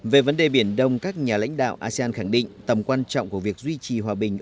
về vấn đề biển đông các nhà lãnh đạo asean khẳng định tầm quan trọng của việc duy trì hòa bình